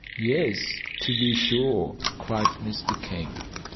"Yes, to be sure," cried Mr. King.